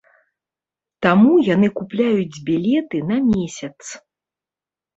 Таму яны купляюць білеты на месяц.